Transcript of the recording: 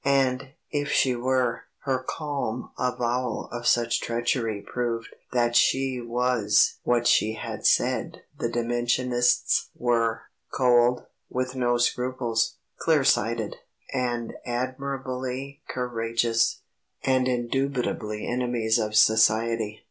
And, if she were, her calm avowal of such treachery proved that she was what she had said the Dimensionists were; cold, with no scruples, clear sighted and admirably courageous, and indubitably enemies of society.